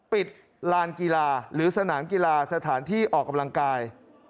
ลานกีฬาหรือสนามกีฬาสถานที่ออกกำลังกาย